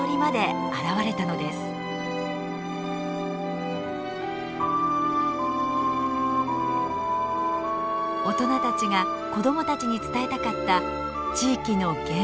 大人たちが子どもたちに伝えたかった地域の原風景。